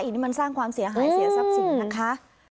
อันนี้มันสร้างความเสียหายเสียทรัพย์สินนะคะ